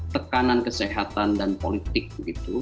tekanan kesehatan dan politik gitu